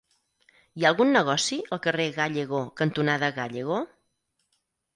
Hi ha algun negoci al carrer Gállego cantonada Gállego?